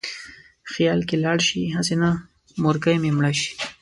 خیال کې لاړ شې: هسې نه مورکۍ مې مړه شي